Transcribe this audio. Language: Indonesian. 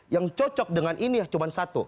yang cocok dengan ini ya cuma satu